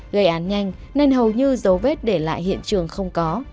gây án nhanh nên hầu như dấu vết để lại hiện trường không có